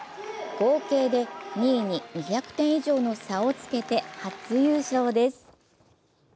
合計で２位に２００点以上の差をつけて初優勝です。